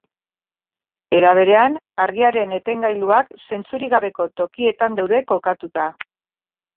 Era berean, argiaren etengailuak zentzurik gabeko tokietan daude kokatuta.